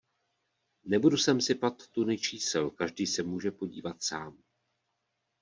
Nebudu sem sypat tuny čísel, každý se může podívat sám.